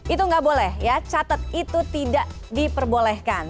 itu nggak boleh ya catet itu tidak diperbolehkan